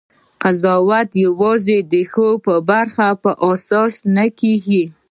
قضاوت یوازې د ښې برخې په اساس نه کېږي.